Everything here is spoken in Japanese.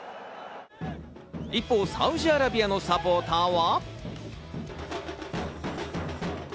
一方、サウジアラビアのサポーターは。